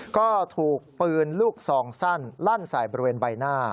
ก็ถูกปืนลูกซองสั้นลั่นใส่บริเวณใบหน้า